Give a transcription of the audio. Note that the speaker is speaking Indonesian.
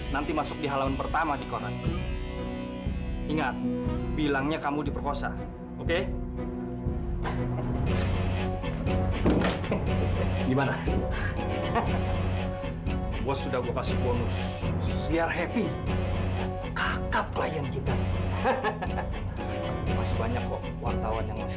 sampai jumpa di video selanjutnya